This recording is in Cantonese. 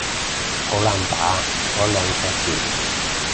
好難打啊嗰兩隻字